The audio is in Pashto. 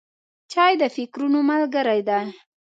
چای د فکرونو ملګری دی.